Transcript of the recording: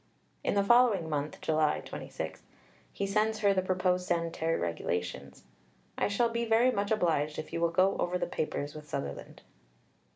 In the following month (July 26), he sends her the proposed Sanitary Regulations: "I shall be very much obliged if you will go over the papers with Sutherland."